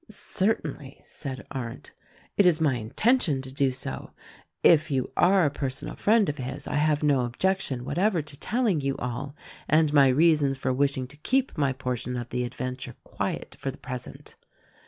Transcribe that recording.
"Certainly," said Arndt, "it is my intention to do so. If you are a personal friend of his, I have no objection what ever to telling you all, and my reasons for wishing to keep my portion of the adventure quiet for the present."